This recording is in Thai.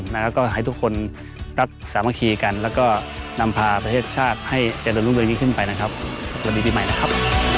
แล้วก็ให้ทุกคนรักสามัคคีกันแล้วก็นำพาประเทศชาติให้เจริญรุ่งเรืองนี้ขึ้นไปนะครับสวัสดีปีใหม่นะครับ